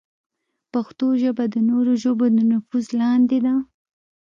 پښتو ژبه د نورو ژبو د نفوذ لاندې ده.